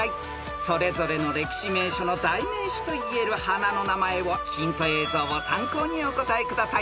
［それぞれの歴史名所の代名詞といえる花の名前をヒント映像を参考にお答えください］